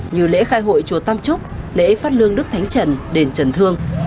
như lễ khai hội chùa tam trúc lễ phát lương đức thánh trần đền trần thương